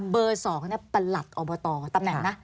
เบอร์สองนี่ประหลัดออกมาต่อ